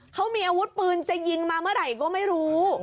เขามีอาวุธปืนจะยิงมาเมื่อไหร่ก็ไม่รู้